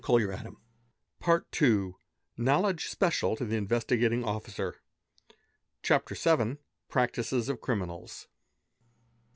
i) PART IIL—KNOWLEDGE SPECIAL TO THE INVESTIGATING OFFICER. CHAPTER VIL. PRACTICES OF CRIMINALS.